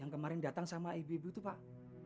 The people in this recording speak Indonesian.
yang kemarin datang sama ibu ibu itu pak